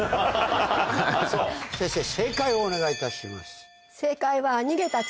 先生正解をお願いいたします。